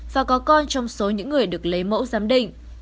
và có con trong số những người được lấy mẫu giám định